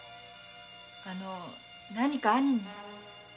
あの何か兄に？